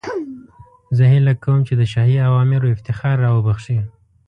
زه هیله کوم چې د شاهي اوامرو افتخار را وبخښئ.